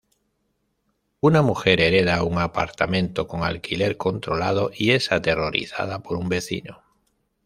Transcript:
Una mujer hereda un apartamento con alquiler controlado y es aterrorizada por un vecino.